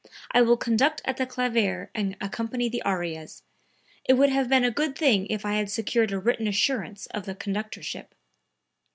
I will conduct at the clavier and accompany the arias. It would have been a good thing if I had secured a written assurance of the conductorship."